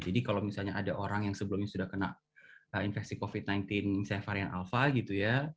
jadi kalau misalnya ada orang yang sebelumnya sudah kena infeksi covid sembilan belas varian alfa gitu ya